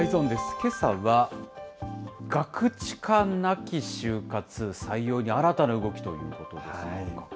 けさは、ガクチカなき就活、採用に新たな動きということですね。